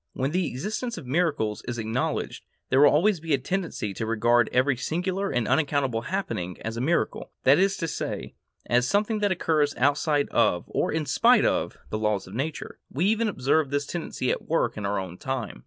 When the existence of miracles is acknowledged, there will always be a tendency to regard every singular and unaccountable happening as a miracle; that is to say, as something that occurs outside of, or in spite of, the laws of nature. We even observe this tendency at work in our own time.